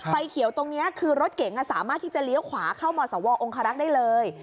ไฟเขียวตรงนี้คือรถเก๋งสามารถที่จะเลี้ยวขวาเข้ามสวองคารักษ์ได้เลย